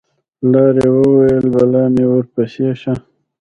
پلار یې وویل: بلا مې ورپسې شه